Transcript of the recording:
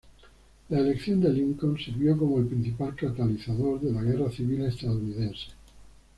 La elección de Lincoln sirvió como el principal catalizador de la Guerra Civil estadounidense.